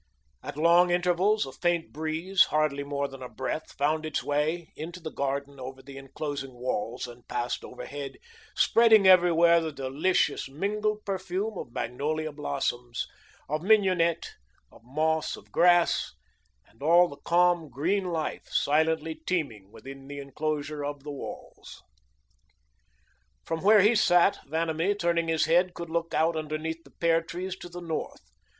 At long intervals, a faint breeze, hardly more than a breath, found its way into the garden over the enclosing walls, and passed overhead, spreading everywhere the delicious, mingled perfume of magnolia blossoms, of mignonette, of moss, of grass, and all the calm green life silently teeming within the enclosure of the walls. From where he sat, Vanamee, turning his head, could look out underneath the pear trees to the north.